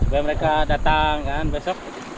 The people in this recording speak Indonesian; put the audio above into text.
supaya mereka datang besok